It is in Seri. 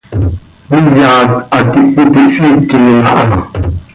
Miyat hac iti hsiiquim aha.